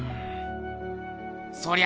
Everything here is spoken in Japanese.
そりゃ